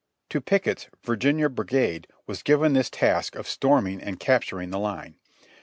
To Pickett's Virginia Brigade was given this task of storming and capturing the line.